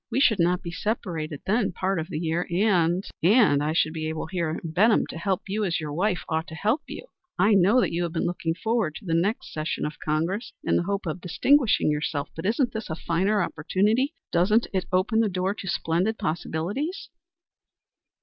We should not be separated then part of the year, and and I should be able here in Benham to help you as your wife ought to help you. I know," she added, "that you have been looking forward to the next session of Congress, in the hope of distinguishing yourself, but isn't this a finer opportunity? Doesn't it open the door to splendid possibilities?"